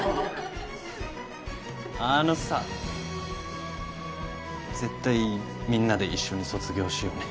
あのさ絶対みんなで一緒に卒業しようね。